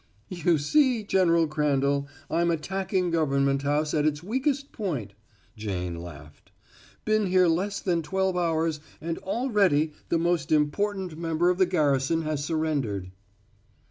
"You see, General Crandall, I'm attacking Government House at its weakest point," Jane laughed. "Been here less than twelve hours, and already the most important member of the garrison has surrendered."